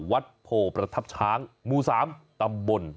วัดโพพระทับช้างภรรษามตำบล